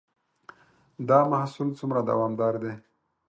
دا محصول څومره دوامدار دی؟